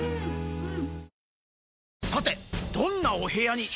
うん！